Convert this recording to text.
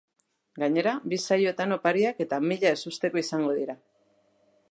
Gainera, bi saioetan opariak eta mila ezusteko izango dira!